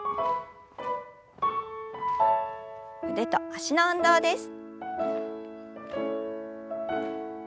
腕と脚の運動です。